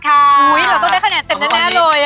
อุ๊ยเราต้องได้ขนาดเต็มให้แน่เลย